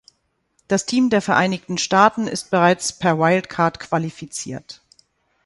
Das Team der Vereinigten Staaten ist bereits per Wildcard qualifiziert.